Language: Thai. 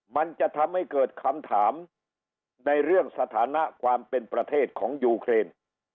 มันจะทำให้เกิดคำถามในเรื่องสถานะความเป็นประเทศของยูเครน